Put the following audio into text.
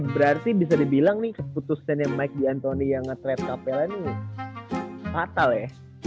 berarti bisa dibilang nih keputusannya mike d antoni yang nge trap kapel ini fatal ya